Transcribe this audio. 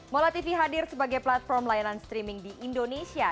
mola tv hadir sebagai platform layanan streaming di indonesia